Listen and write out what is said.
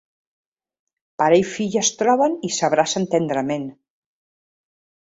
Pare i filla es troben i s’abracen tendrament.